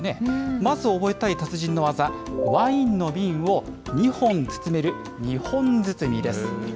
まず覚えたい達人の技、ワインの瓶を２本包める二本包みです。